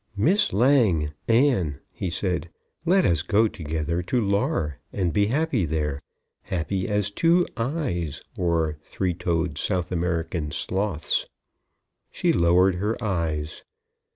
"Miss Lange, Anne," he said, "let us go together to Lar and be happy there happy as two ais, or three toed South American sloths." She lowered her eyes.